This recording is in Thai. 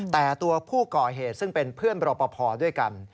แต่ตัวผู้ก่อเหตุซึ่งเป็นเพื่อนบรปภด้วยกัน